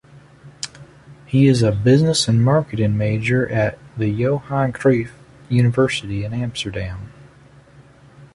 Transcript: He is a Business and Marketing major at the Johan Cruyff University in Amsterdam.